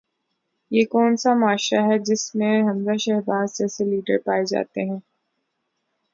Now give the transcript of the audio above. یہ کون سا معاشرہ ہے جس میں حمزہ شہباز جیسے لیڈر پائے جاتے ہیں؟